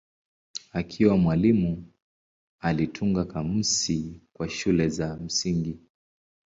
Akiwa mwalimu alitunga kamusi kwa shule za msingi.